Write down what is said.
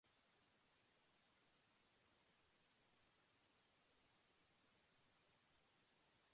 As an entrepreneur, Robert Chen faces many challenges in running his tech startup.